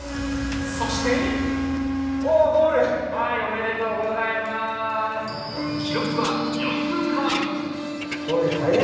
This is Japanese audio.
そして記録は４分半。